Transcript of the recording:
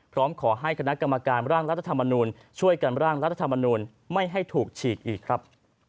พร้อมขอให้คณะกรรมการร่างรัฐธรรมนูลช่วยกันร่างรัฐธรรมนูลไม่ให้ถูกฉีกอีกครับ